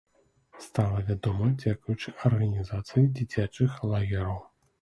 Стала вядома дзякуючы арганізацыі дзіцячых лагераў.